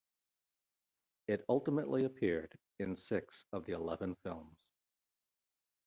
It ultimately appeared in six of the eleven films.